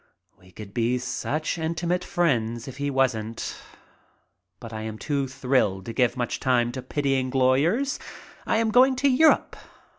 We could be such intimate friends if he wasn't. But I am too thrilled to give much time to pitying lawyers. I am going to Europe.